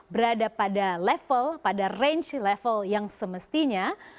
berada pada level pada range level yang semestinya